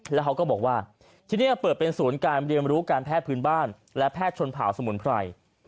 แล้วเขาก็บอกว่าที่นี่เปิดเป็นศูนย์การเรียนรู้การแพทย์พื้นบ้านและแพทย์ชนเผาสมุนไพร